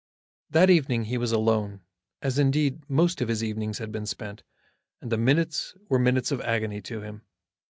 That evening he was alone, as, indeed, most of his evenings had been spent, and the minutes were minutes of agony to him.